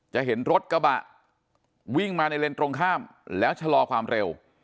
จะเห็นรถกระบะวิ่งมาในเลนส์ตรงข้ามแล้วชะลอความเร็ว